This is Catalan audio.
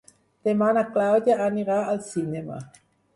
Demà na Clàudia anirà al cinema.